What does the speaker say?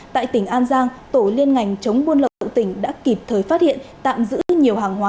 tại tỉnh an giang tổ liên ngành chống buôn lậu tỉnh đã kịp thời phát hiện tạm giữ nhiều hàng hóa